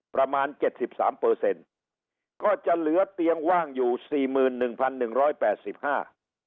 ประมาณเจ็ดสิบสามเปอร์เซ็นต์ก็จะเหลือเตียงว่างอยู่สี่หมื่นหนึ่งพันหนึ่งร้อยแปดสิบห้า